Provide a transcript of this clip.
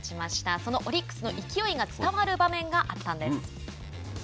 そのオリックスの勢いが伝わる場面があったんです。